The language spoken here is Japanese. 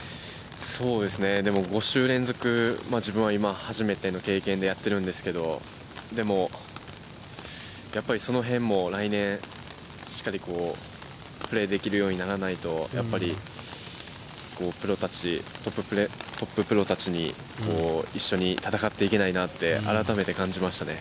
◆そうですね、でも５週連続、自分は今、初めての経験でやってるんですけど、でも、やっぱりその辺も来年、しっかりプレーできるようにならないと、やっぱりプロたち、トッププロたちに一緒に戦っていけないなって改めて感じましたね。